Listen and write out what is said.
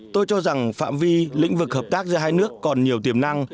tôi cho rằng phạm vi lĩnh vực hợp tác giữa hai nước còn nhiều tiềm năng